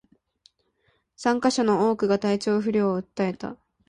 参加者の多くが体調不良を訴えた